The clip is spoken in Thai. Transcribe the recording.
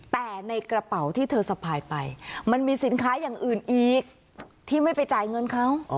แต่ในกระเป๋าที่เธอสะพายไปมันมีสินค้าอย่างอื่นอีกที่ไม่ไปจ่ายเงินเขา